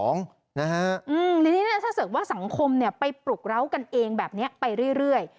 ทีนี้ถ้าเกิดว่าสังคมไปปลุกเล้ากันเองแบบนี้ไปเรื่อย